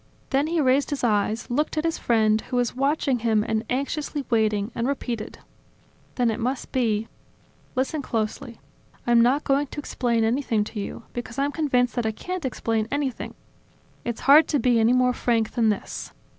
Then he raised his eyes, looked at his friend, who was watching him and anxiously waiting, and repeated: "Then it must be? ... Listen closely. I'm not going to explain anything to you, because I'm convinced that I can't explain anything. It's hard to be any more frank than this.